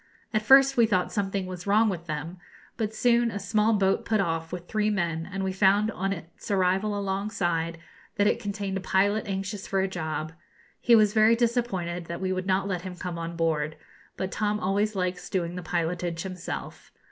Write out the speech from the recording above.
At first we thought something was wrong with them; but soon a small boat put off with three men, and we found, on its arrival alongside, that it contained a pilot anxious for a job. He was very disappointed that we would not let him come on board; but Tom always likes doing the pilotage himself.